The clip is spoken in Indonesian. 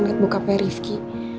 liat bokapnya rifki